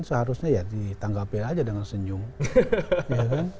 seharusnya ya ditanggapi aja dengan senyum